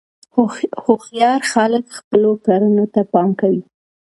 هوښیار خلک خپلو کړنو ته پام کوي.